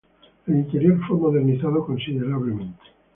El interior fue modernizado considerablemente.